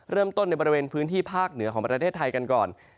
ในบริเวณพื้นที่ภาคเหนือของประเทศไทยกันก่อน